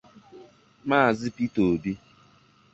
Maazị Peter Obi